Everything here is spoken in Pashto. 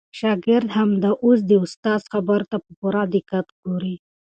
شاګرد همدا اوس د استاد خبرو ته په پوره دقت ګوري.